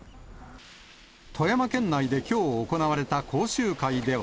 富山県内できょう、行われた講習会では。